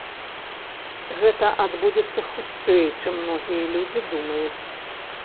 Гэта адбудзецца хутчэй, чым многія людзі думаюць.